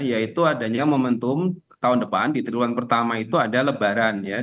yaitu adanya momentum tahun depan di triwulan pertama itu ada lebaran ya